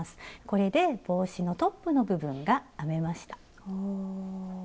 これで帽子のトップの部分が編めました。